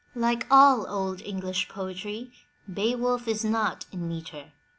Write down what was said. Like all Old English poetry, Beowulj is not in meter.